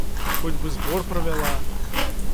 Хоць бы збор правяла!